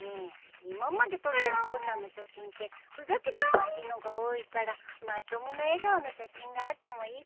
今まで撮ったお父さんの写真ってふざけた感じのが多いからまともな笑顔の写真があってもいいかもね。